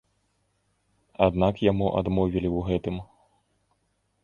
Аднак яму адмовілі ў гэтым.